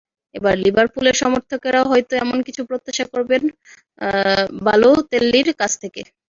এবার লিভারপুলের সমর্থকেরাও হয়তো এমন কিছুই প্রত্যাশা করবেন বালোতেল্লির কাছ থেকে।